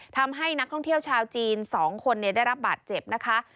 ทำให้นักท่องเที่ยวชาวจีน๒คนได้รับบาดเจ็บนะคะ